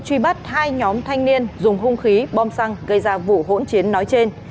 truy bắt hai nhóm thanh niên dùng hung khí bom xăng gây ra vụ hỗn chiến nói trên